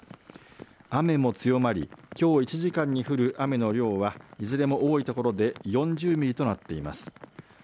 雨も強まりきょう１時間に降る雨の量はいずれも多い所で４０ミリとなっています。